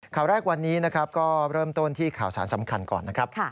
ข่าวแรกวันนี้นะครับก็เริ่มต้นที่ข่าวสารสำคัญก่อนนะครับ